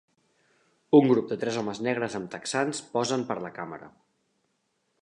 Un grup de tres homes negres amb texans posen per la càmera.